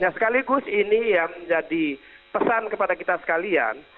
sekaligus ini yang menjadi pesan kepada kita sekalian